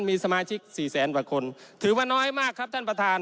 มีสมาชิกสี่แสนกว่าคนถือว่าน้อยมากครับท่านประธาน